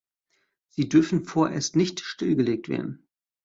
Sie dürfen vorerst nicht stillgelegt werden.